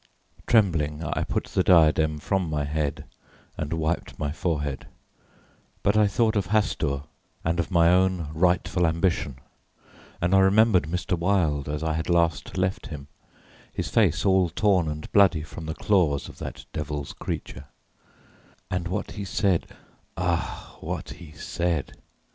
Trembling, I put the diadem from my head and wiped my forehead, but I thought of Hastur and of my own rightful ambition, and I remembered Mr. Wilde as I had last left him, his face all torn and bloody from the claws of that devil's creature, and what he said ah, what he said.